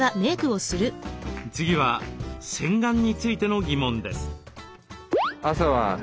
次は洗顔についての疑問です。